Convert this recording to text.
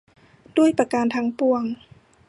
ด้วยประการทั้งปวง